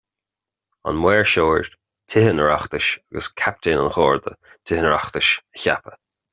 An Maoirseoir, Tithe an Oireachtais, agus Captaen an Gharda, Tithe an Oireachtais, a cheapadh.